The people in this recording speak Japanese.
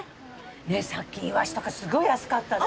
ねえさっきイワシとかすごい安かった。